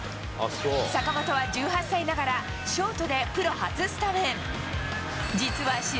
坂本は１８歳ながらショートでプロ初スタメン。